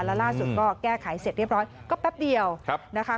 แล้วล่าสุดก็แก้ไขเสร็จเรียบร้อยก็แป๊บเดียวนะคะ